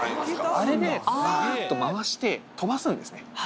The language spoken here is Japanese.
あれで、ばーっと回して飛ばすんですね。